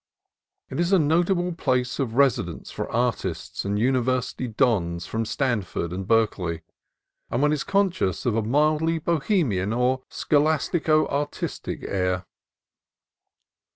It is a notable place of residence for artists and university dons from Stanford and Berke ley, and one is conscious of a mildly Bohemian, or scholastico artistic air.